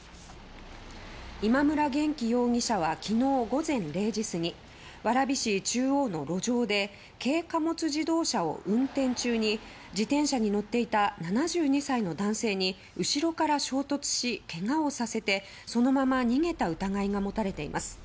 今村玄樹容疑者は昨日午前０時過ぎ蕨市中央の路上で軽貨物自動車を運転中に自転車に乗っていた７２歳の男性に後ろから衝突しけがをさせて、そのまま逃げた疑いが持たれています。